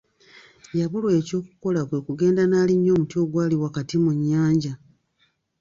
Yabulwa oky’okukola kwe kugenda n'alinnya omuti ogwali wakati mu nnyanja.